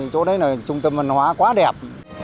chỗ đấy là trung tâm vườn hoa quá đẹp